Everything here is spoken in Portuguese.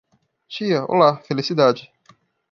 Tia, olá, felicidade.